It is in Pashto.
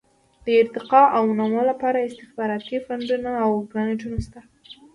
د ارتقاء او نمو لپاره استخباراتي فنډونه او ګرانټونه شته.